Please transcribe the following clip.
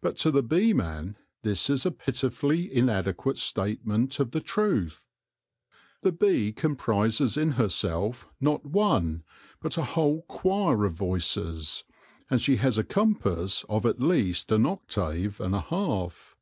But to the beeman this is a pitifully inadequate statement of the truth. The bee comprises in herself not one, but a whole choir of voices, and she has a compass of at least an octave and a half.